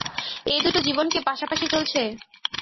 এই দুটো জীবন কি পাশাপাশি চলছে?